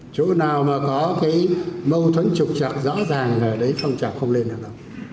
chỗ nào mà có cái mâu thuẫn trục trọc rõ ràng là đấy phong trọc không lên được đâu